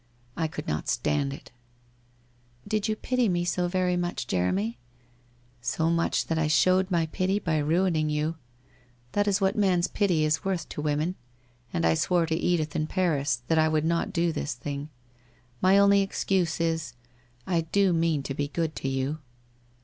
I could not stand it/ ' Did you pity me so very much, Jeremy ?'' So much that I showed my pity by ruining you. That is what man's pity is worth, to women. And I swore to Edith in Paris that I would not do this thing. My only excuse is, I do mean to be good to you.'